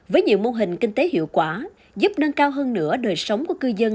với nhiều mô hình kinh tế hiệu quả giúp nâng cao hơn nữa đời sống của cư dân